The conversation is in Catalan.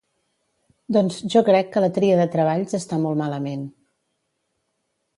Doncs jo crec que la tria de treballs està molt malament.